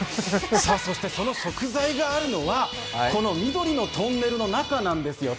そしてその食材があるのは、この緑のトンネルの中なんですよね。